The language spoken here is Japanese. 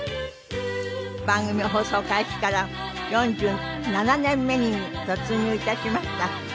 番組放送開始から４７年目に突入いたしました。